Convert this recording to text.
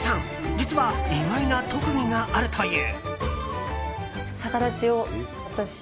実は意外な特技があるという。